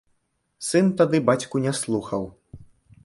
Сын тады бацьку не слухаў.